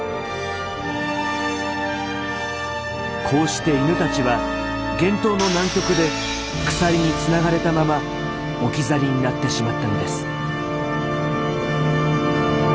こうして犬たちは厳冬の南極で鎖につながれたまま置き去りになってしまったのです。